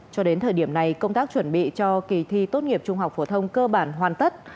cho đến thời điểm này công tác chuẩn bị cho kỳ thi tốt nghiệp trung học phổ thông cơ bản hoàn tất